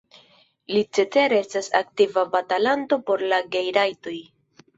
Li cetere estas aktiva batalanto por la gej-rajtoj.